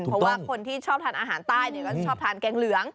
เพราะว่าคนที่ชอบทานอาหารใต้ก็จะชอบทานแกงเหลือง